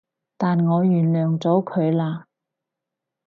但我原諒咗佢喇